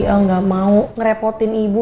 el gak mau ngerepotin ibu